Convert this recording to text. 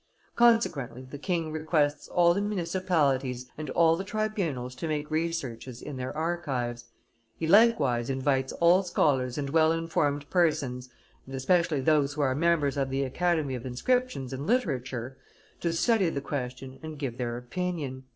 Consequently the king requests all the municipalities and all the tribunals to make researches in their archives; he likewise invites all scholars and well informed persons, and especially those who are members of the Academy of Inscriptions and Literature, to study the question and give their opinion."